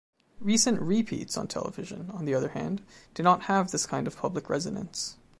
Recent repeats on television, on the other hand, did not have this kind of public resonance.